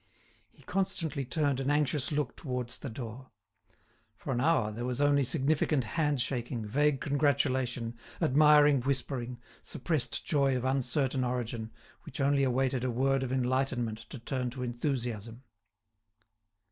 He constantly turned an anxious look towards the door. For an hour there was only significant hand shaking, vague congratulation, admiring whispering, suppressed joy of uncertain origin, which only awaited a word of enlightenment to turn to enthusiasm.